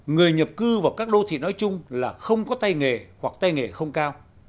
người nhập cư vào các đô thị nói chung là không có tay nghề hoặc tay nghề không cao